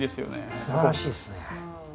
すばらしいですね。